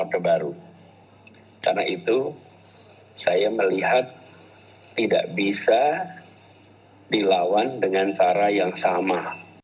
karena itu saya melihat tidak bisa dilawan dengan cara yang sama